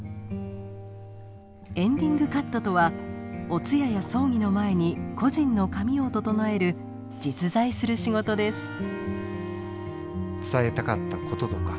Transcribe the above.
エンディングカットとはお通夜や葬儀の前に故人の髪を整える実在する仕事です。